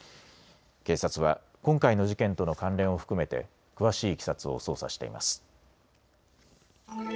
警察は今回の事件との関連を含めて詳しいいきさつを捜査しています。